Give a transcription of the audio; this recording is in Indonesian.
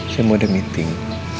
saya mau ada meeting